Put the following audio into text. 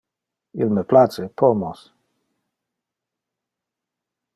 Il me place pomos.